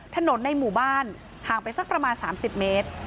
ถนนในหมู่บ้านห่างไปสักประมาณ๓๐เมตร